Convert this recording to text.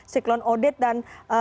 siklon audit dan